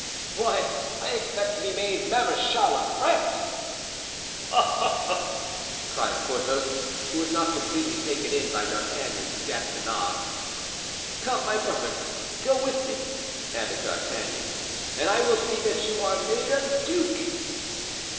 "Why, I expect to be made Marechal of France!" "Ha! ha!" cried Porthos, who was not completely taken in by D'Artagnan's Gasconades. "Come my brother, go with me," added D'Artagnan, "and I will see that you are made a duke!"